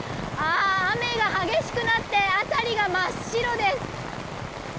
雨が激しくなって辺りが真っ白です。